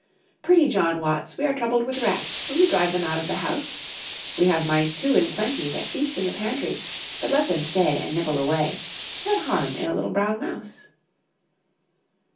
Pretty John Watts, We are troubled with rats, Will you drive them out of the house? We have mice, too, in plenty, That feast in the pantry, But let them stay And nibble away, What harm in a little brown mouse?